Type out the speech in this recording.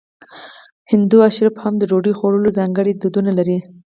هندو اشرافو هم د ډوډۍ خوړلو ځانګړي دودونه لرل.